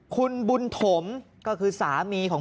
คุณบุญถมก็คือสามีของ